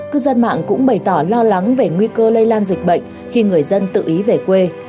cư dân mạng cũng bày tỏ lo lắng về nguy cơ lây lan dịch bệnh khi người dân tự ý về quê